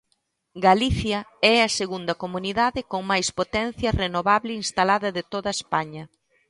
Galicia é a segunda comunidade con máis potencia renovable instalada de toda España.